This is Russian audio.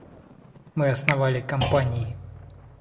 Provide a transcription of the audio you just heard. Мы основали компании.